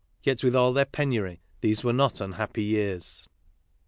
Yet, with all their penury, these were not unhappy years.